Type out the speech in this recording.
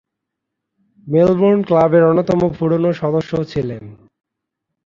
Melbourne ক্লাবের অন্যতম পুরনো সদস্য ছিলেন।